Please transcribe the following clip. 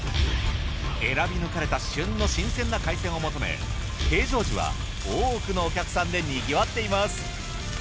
選び抜かれた旬の新鮮な海鮮を求め平常時は多くのお客さんでにぎわっています。